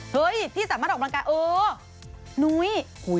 เฮ้ยที่สามารถออกกำลังกาย